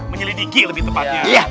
menyelidiki lebih tepatnya